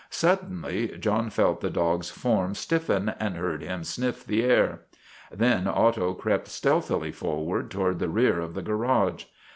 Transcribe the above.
Suddenly John felt the dog's form stiffen and heard him sniff the air. Then Otto crept stealthily forward toward the rear of the garage.